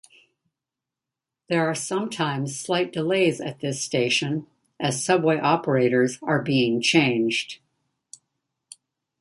There are sometimes slight delays at this station as subway operators are being changed.